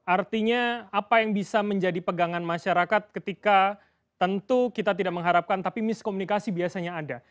artinya apa yang bisa menjadi pegangan masyarakat ketika tentu kita tidak mengharapkan tapi miskomunikasi biasanya ada